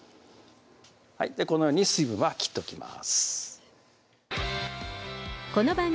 このように水分は切っときます